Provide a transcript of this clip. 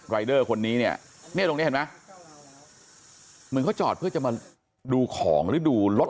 เดอร์คนนี้เนี่ยตรงนี้เห็นไหมเหมือนเขาจอดเพื่อจะมาดูของหรือดูรถ